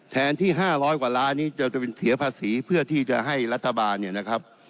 แทนที่๕๐๐กว่าล้านนี้จะเป็นเสียภาษีเพื่อที่จะให้รัฐบาลเนี่ยนะครับ